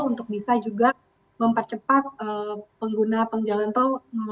untuk bisa juga mempercepat pengguna pengjalan tol